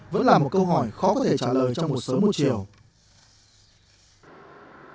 vẫn là một câu hỏi khó có thể trả lời trong một số môi trường